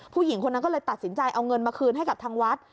ผู้หญิงคนนั้นก็เลยตัดสินใจเอาเงินมาคืนให้กับทางวัด